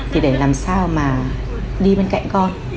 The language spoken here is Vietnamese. thì để làm sao mà đi bên cạnh con